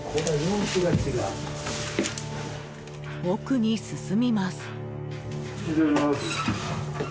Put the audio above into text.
奥に進みます。